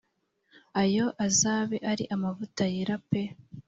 Ayo azabe ari amavuta yera pe